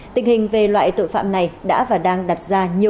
tình hình về loại tội phạm này đã và đang đặt ra nhiều